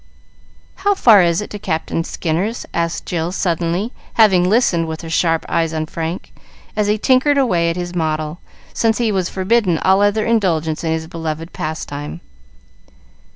"How far is it to Captain Skinner's?" asked Jill suddenly, having listened, with her sharp eyes on Frank, as he tinkered away at his model, since he was forbidden all other indulgence in his beloved pastime.